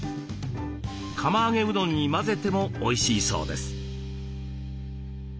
釜揚げうどんに混ぜてもおいしいそうです。